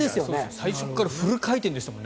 最初からフル回転でしたもんね。